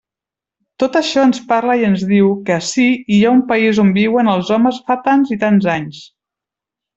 Tot això ens parla i ens diu que ací hi ha un país on viuen els homes fa tants i tants anys.